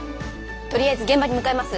とりあえず現場に向かいます。